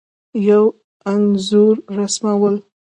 یو انځور رسمول